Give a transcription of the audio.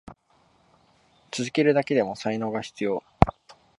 続けるだけでも才能が必要。